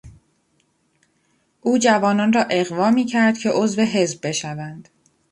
او جوانان را اغوا میکرد که عضو حزب بشوند.